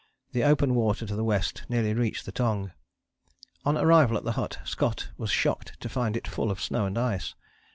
The open water to the west nearly reached the Tongue. On arrival at the hut Scott was shocked to find it full of snow and ice.